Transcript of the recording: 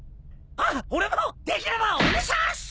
あっ俺もできればおねしゃす！